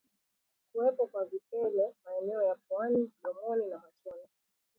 Kuwepo kwa vipele maeneo ya puani mdomoni na machoni